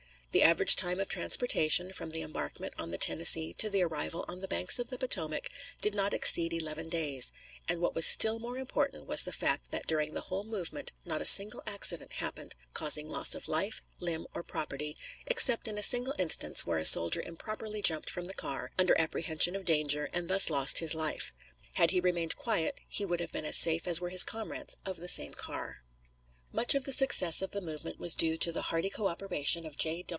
The average time of transportation, from the embarkment on the Tennessee to the arrival on the banks of the Potomac, did not exceed eleven days; and what was still more important was the fact that during the whole movement not a single accident happened causing loss of life, limb, or property, except in a single instance where a soldier improperly jumped from the car, under apprehension of danger, and thus lost his life. Had he remained quiet, he would have been as safe as were his comrades of the same car. Much of the success of the movement was due to the hearty co operation of J.